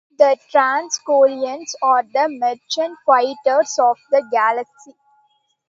The Transgolians are the merchant-fighters of the Galaxy.